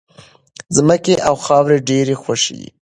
ځمکې او خاورې ډېرې خوښې دي.